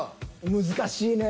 難しいね。